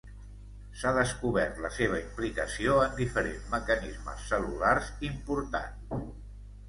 S’ha descobert la seva implicació en diferents mecanismes cel·lulars importants.